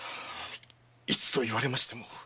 いつと言われましても。